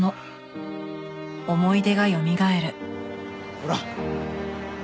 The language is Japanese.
ほら！